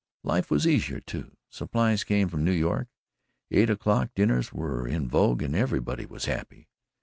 Life was easier, too supplies came from New York, eight o'clock dinners were in vogue and everybody was happy.